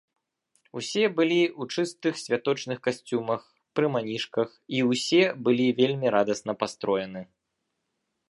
Усе былі ў чыстых святочных касцюмах, пры манішках, і ўсе былі вельмі радасна пастроены.